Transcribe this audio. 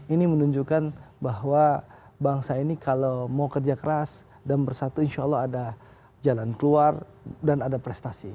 ini menunjukkan bahwa bangsa ini kalau mau kerja keras dan bersatu insya allah ada jalan keluar dan ada prestasi